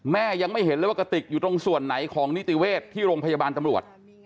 แม่ยังไม่เห็นเลยว่ากระติกอยู่ตรงส่วนไหนของนิติเวศที่โรงพยาบาลตำรวจ